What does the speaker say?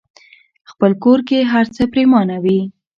خپل کور کې هرڅه پريمانه وي.